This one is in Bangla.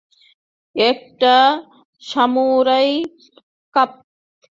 একটা সামুরাই কাপ।